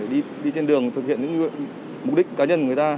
để đi trên đường thực hiện những mục đích cá nhân người ta